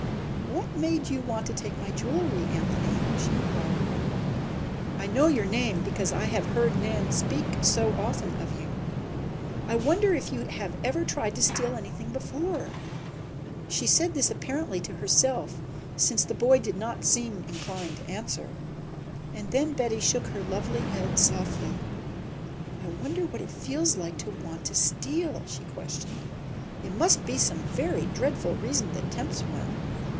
"What made you want to take my jewelry, Anthony?" she inquired. "I know your name because I have heard Nan speak so often of you. I wonder if you have ever tried to steal anything before?" She said this apparently to herself since the boy did not seem inclined to answer. And then Betty shook her lovely head softly. "I wonder what it feels like to want to steal?" she questioned. "It must be some very dreadful reason that tempts one.